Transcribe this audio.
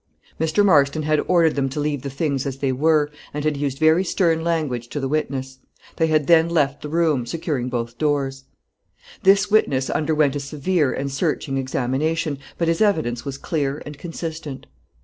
Mr. Marston had ordered them to leave the things as they were, and had used very stern language to the witness. They had then left the room, securing both doors. This witness underwent a severe and searching examination, but his evidence was clear and consistent.